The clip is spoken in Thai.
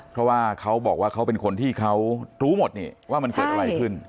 เพราะว่าเขาบอกว่าเขาเป็นคนที่เขารู้หมดนี่ว่ามันเกิดอะไรขึ้น